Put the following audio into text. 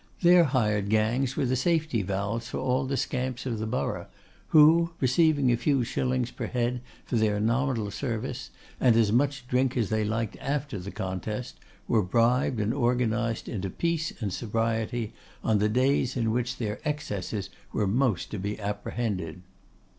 Their hired gangs were the safety valves for all the scamps of the borough, who, receiving a few shillings per head for their nominal service, and as much drink as they liked after the contest, were bribed and organised into peace and sobriety on the days in which their excesses were most to be apprehended.